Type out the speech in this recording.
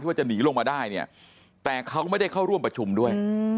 ว่าจะหนีลงมาได้เนี่ยแต่เขาไม่ได้เข้าร่วมประชุมด้วย